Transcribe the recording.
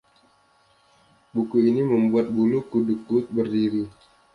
Buku ini membuat bulu kudukku berdiri.